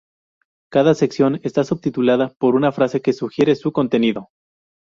Cada sección está subtitulada por una frase que sugiere su contenido.